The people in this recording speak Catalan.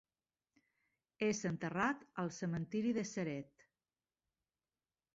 És enterrat al cementeri de Ceret.